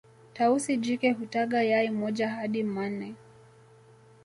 tausi jike hutaga yai moja hadi manne